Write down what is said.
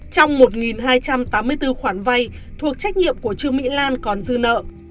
trong một hai trăm tám mươi bốn khoản vay thuộc trách nhiệm của trương mỹ lan còn dư nợ